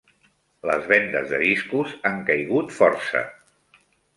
Les vendes de discos han caigut força.